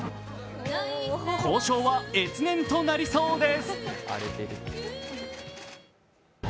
交渉は越年となりそうです。